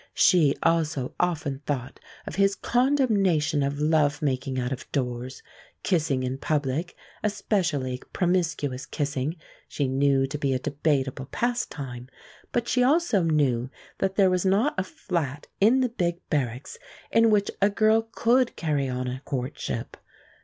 She also often thought of his condemnation of love making out of doors. Kissing in public, especially promiscuous kissing, she knew to be a debatable pastime, but she also knew that there was not a flat in the Big Barracks in which a girl could carry on a courtship.